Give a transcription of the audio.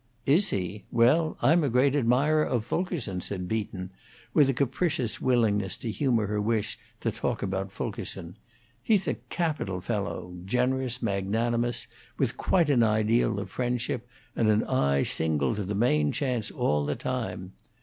"Is he? Well, I'm a great admirer of Fulkerson," said Beaton, with a capricious willingness to humor her wish to talk about Fulkerson. "He's a capital fellow; generous, magnanimous, with quite an ideal of friendship and an eye single to the main chance all the time.